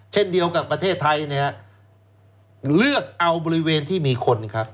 เช่นเดียวกับประเทศไทยเนี่ยเลือกเอาบริเวณที่มีคนครับ